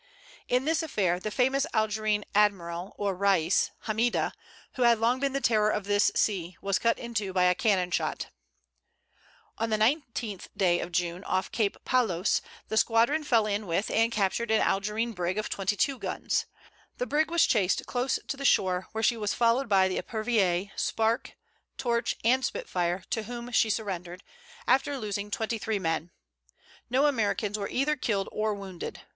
In this affair, the famous Algerine admiral or Rais, Hammida, who had long been the terror of this sea, was cut in two by a cannon shot. On the 19th of June, off Cape Palos, the squadron fell in with and captured an Algerine brig of twenty two guns. The brig was chased close to the shore, where she was followed by the Epervier, Spark, Torch and Spitfire, to whom she surrendered, after losing twenty three men. No Americans were either killed or wounded.